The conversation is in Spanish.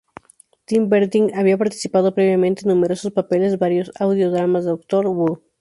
Tim Bentinck había participado previamente en numerosos papeles varios audio-dramas de Doctor Who.